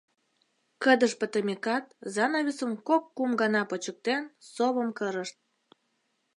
Кыдеж пытымекат, занавесым кок-кум гана почыктен, совым кырышт.